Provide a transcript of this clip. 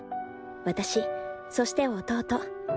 私そして弟。